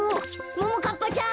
ももかっぱちゃん！